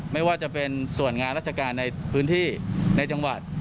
ไม่ว่าจะเป็นส่วนงานราชการในพื้นที่ในจังหวัด